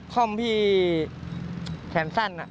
โปรดติดตามต่อไป